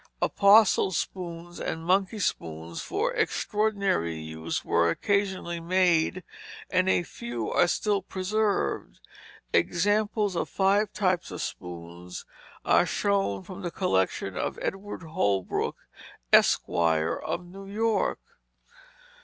Apostle spoons, and monkey spoons for extraordinary use were occasionally made, and a few are still preserved; examples of five types of spoons are shown from the collection of Edward Holbrook, Esq., of New York.